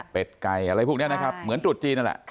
เป็นไก่อะไรพวกนี้นะครับเหมือนตรุษจีนนั่นแหละ